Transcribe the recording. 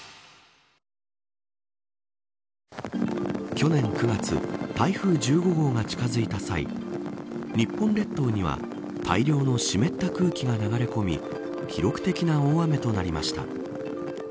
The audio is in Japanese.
去年９月台風１５号が近づいた際日本列島には大量の湿った空気が流れ込み記録的な大雨となりました。